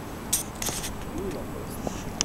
Où est la poste ?